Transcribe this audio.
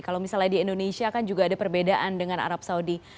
kalau misalnya di indonesia kan juga ada perbedaan dengan arab saudi